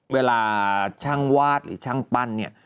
เวลาช่างวาดหรือช่างปั้นเนี่ย